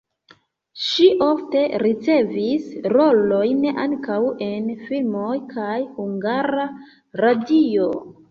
Ŝi ofte ricevis rolojn ankaŭ en filmoj kaj Hungara Radio.